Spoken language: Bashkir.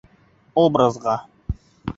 Образға?